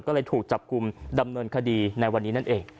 ก็เลยถูกจับกลุ่มดำเนินคดีในวันนี้นั่นเอง